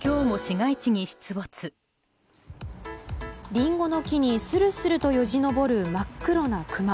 リンゴの木にするするとよじ登る真っ黒なクマ。